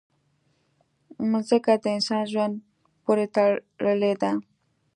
مځکه د انسان ژوند پورې تړلې ده.